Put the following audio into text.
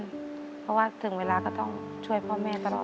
เพราะว่าถึงเวลาก็ต้องช่วยพ่อแม่ตลอด